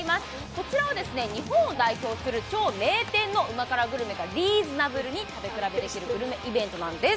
こちらは日本を代表する超名店の旨辛グルメがリーズナブルに食べ比べできるグルメイベントなんです。